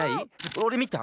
おれみた！